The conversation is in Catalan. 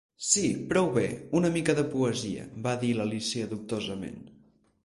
"Sí, prou bé, una mica de poesia", va dir l'Alícia dubtosament.